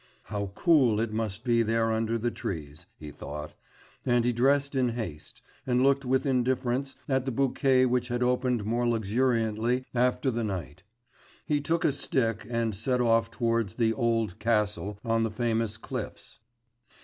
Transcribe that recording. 'How cool it must be there under the trees!' he thought; and he dressed in haste, and looked with indifference at the bouquet which had opened more luxuriantly after the night; he took a stick and set off towards the 'Old Castle' on the famous 'Cliffs.